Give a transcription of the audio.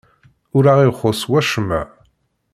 Ur aɣ-ixuṣṣ wacemma.